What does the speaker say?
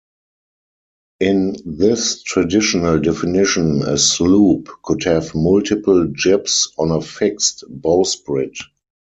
In this traditional definition a sloop could have multiple jibs on a fixed bowsprit.